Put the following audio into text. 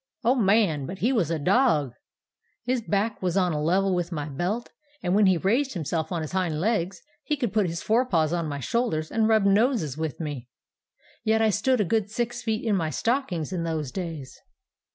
"O man, but he was a dog! His back was on a level with my belt, and when he raised himself on his hind legs he could put his fore paws on my shoulders and rub noses with me; yet I stood a good six feet in my stockings in those days.